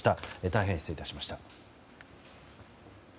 大変失礼致しました。